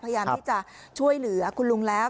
พยายามที่จะช่วยเหลือคุณลุงแล้ว